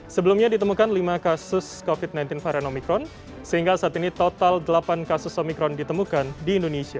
sebelumnya ditemukan lima kasus covid sembilan belas varian omikron sehingga saat ini total delapan kasus omikron ditemukan di indonesia